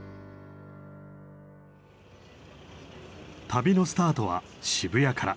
旅のスタートは渋谷から。